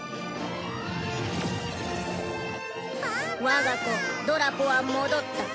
我が子ドラポは戻った。